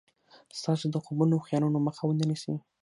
ستاسې د خوبونو او خيالونو مخه و نه نيسي.